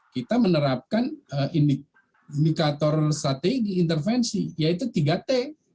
kita menerapkan indikator strategi intervensi yaitu tiga t